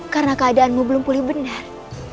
karena keadaanmu belum pulih benar